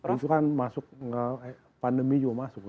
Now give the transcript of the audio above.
itu kan masuk pandemi juga masuk